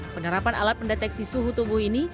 penerapan alat pendeteksi suhu tubuh ini